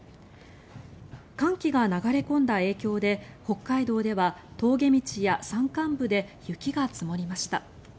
寒気が流れ込んだ影響で北海道では峠道や山間部で雪が積もりました。